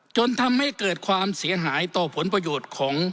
จนทำให้เกิดความเสียหายต่อผลประโยชน์ของ